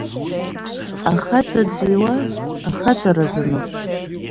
Ахаҵа дзиуа ахаҵаразыноуп!